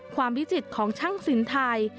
ความวิจิตรของช่างศิลป์ไทย